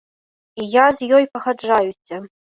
І я з ёй пагаджаюся.